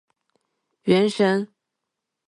原神